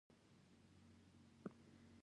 زه پیسې نه لرم